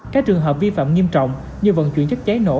các trường hợp vi phạm nghiêm trọng như vận chuyển chất cháy nổ